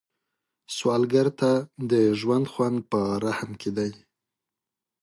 سوالګر ته د ژوند خوند په رحم کې دی